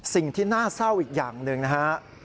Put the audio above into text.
สิ่งที่น่าเศร้าอีกอย่างหนึ่งนะฮะ